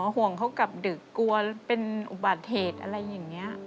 ห่วงเขากลับดึกกลัวเป็นอุบัติเหตุอะไรอย่างนี้